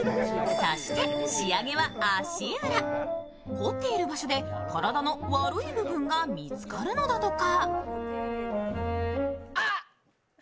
凝っている場所で体の悪い部分が見つかるのだとか。